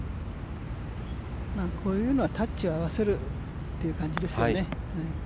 こういうのはタッチを合わせるという感じですよね。